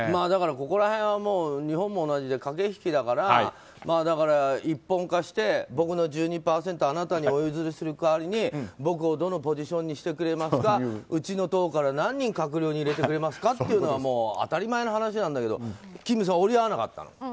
だからここら辺は日本も同じで駆け引きだから一本化して、僕の１２％あなたにお譲りする代わりに僕を、どのポジションにしてくれますかうちの党から何人閣僚に入れてくれますかというのは当たり前の話なんだけど金さん、折り合わなかったの？